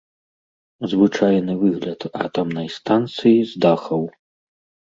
Звычайны выгляд атамнай станцыі з дахаў.